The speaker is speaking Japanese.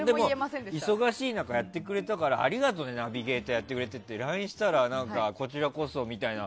忙しい中やってくれたからありがとうねナビゲーターやってくれてってＬＩＮＥしたらこちらこそみたいな。